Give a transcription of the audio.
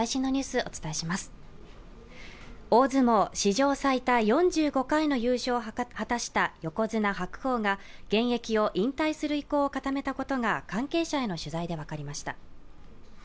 大相撲史上最多４５回の優勝を果たした横綱・白鵬が現役を引退する意向を固めたことが関係者への取材で分かりました。